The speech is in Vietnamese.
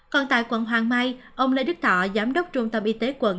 còn tại quận hoàng mai ông lê đức thọ giám đốc trung tâm y tế quận